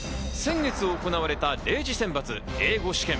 先月行われた０次選抜、英語試験。